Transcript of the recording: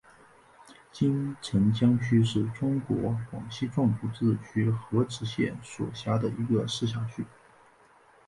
金城江区是中国广西壮族自治区河池市所辖的一个市辖区。